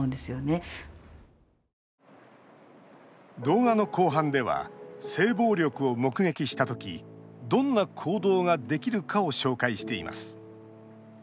動画の後半では性暴力を目撃したときどんな行動ができるかを紹介しています。